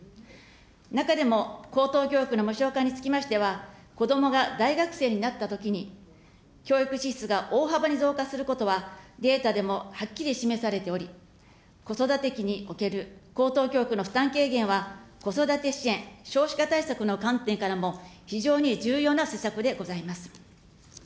中でも高等教育の無償化につきましては、こどもが大学生になったときに教育支出が大幅に増加することはデータでもはっきりしており、子育て期における教育費負担軽減は、子育て支援、少子化対策の観点からも、非常に重要な施策でございます。